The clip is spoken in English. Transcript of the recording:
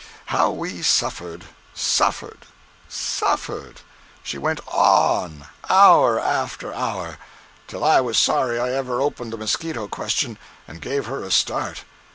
How we suffered, suffered, suffered! She went on, hour after hour, till I was sorry I ever opened the mosquito question and gave her a start.